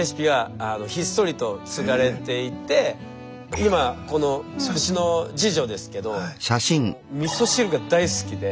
今このうちの次女ですけどもうみそ汁が大好きで。